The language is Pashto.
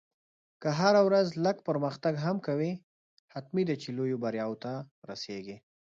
که هره ورځ لږ پرمختګ هم کوې، حتمي ده چې لویو بریاوو ته رسېږې.